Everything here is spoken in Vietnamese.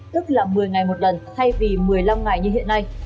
tức là một mươi ngày một lần thay vì một mươi năm ngày như hiện nay